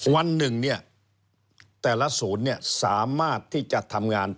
วันหนึ่งเนี่ยแต่ละศูนย์เนี่ยสามารถที่จะทำงาน